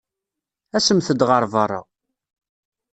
Asemt-d ɣer beṛṛa.